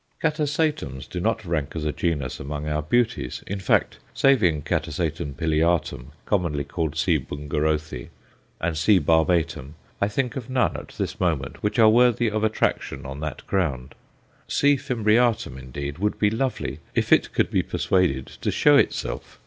Catasetums do not rank as a genus among our beauties; in fact, saving C. pileatum, commonly called C. Bungerothi, and C. barbatum, I think of none, at this moment, which are worthy of attraction on that ground. C. fimbriatum, indeed, would be lovely if it could be persuaded to show itself.